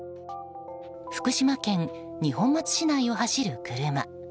福島県二本松市内を走る車。